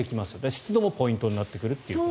湿度もポイントになってくると。